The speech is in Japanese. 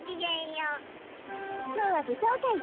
きょうはぶとうかいですわね。